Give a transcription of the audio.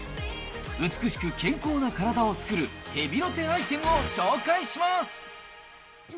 美しく健康な体を作るヘビロテアイテムを紹介します。